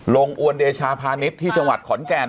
อวนเดชาพาณิชย์ที่จังหวัดขอนแก่น